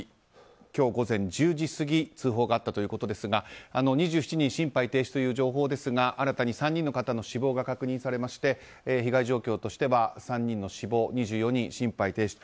今日午前１０時過ぎ通報があったということですが２７人心肺停止という情報ですが新たに３人の方の死亡が確認されまして被害状況としては３人の死亡、２４人が心肺停止。